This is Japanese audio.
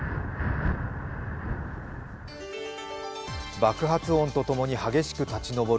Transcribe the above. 爆発音と共に激しく立ち上る